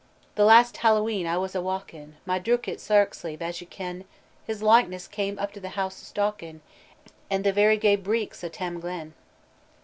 "The last Hallowe'en I was waukin My droukit sark sleeve, as ye kin His likeness came up the house staukin, And the very grey breeks o' Tam Glen!"